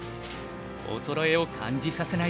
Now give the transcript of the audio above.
衰えを感じさせない